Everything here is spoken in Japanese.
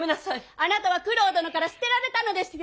あなたは九郎殿から捨てられたのですよ。